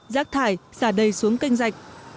rác thải xả đầy xuống kênh rạch